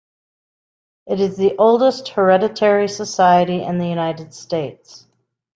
It is the oldest hereditary society in the United States.